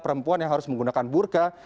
perempuan yang harus menggunakan burka